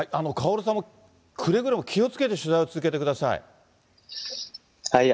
カオルさんもくれぐれも気をつけて取材を続けてください。